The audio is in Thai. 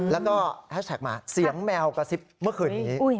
แล้วก็แฮชแท็กมาเสียงแมวกระซิบเมื่อคืนนี้